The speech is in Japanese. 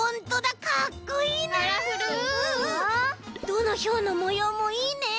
どのヒョウのもようもいいね！